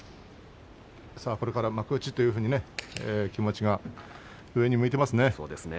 これから幕内というふうに気持ちが上にも向いていますね。